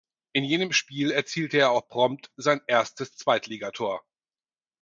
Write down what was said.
In jenem Spiel erzielte er auch prompt sein erstes Zweitligator.